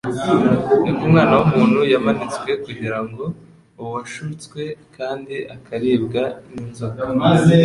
niko Umwana w'umuntu yamanitswe kugira ngo uwashutswe kandi akaribwa n'inzoka,